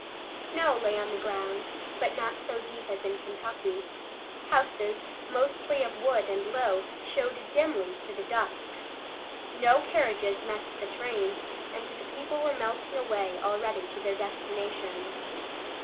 Snow lay on the ground, but not so deep as in Kentucky. Houses, mostly of wood, and low, showed dimly through the dusk. No carriages met the train, and the people were melting away already to their destinations.